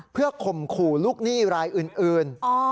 เพื่อข่มขู่ลูกหนี้รายอื่น